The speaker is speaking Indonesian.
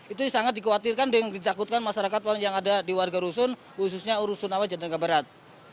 itu sangat dikhawatirkan dan dikakutkan masyarakat yang ada di warga rusun khususnya urusun nawajar di kebarat